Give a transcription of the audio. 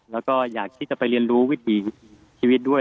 แล้วก็อยากที่จะไปเรียนรู้วิถีชีวิตด้วย